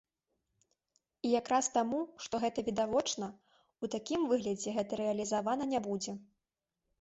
І якраз таму, што гэта відавочна, у такім выглядзе гэта рэалізавана не будзе.